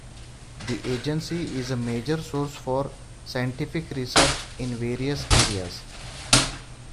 The agency is a major source for scientific research in various areas.